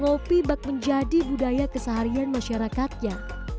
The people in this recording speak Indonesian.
kopi bak menjadi budaya keseharian masyarakatnya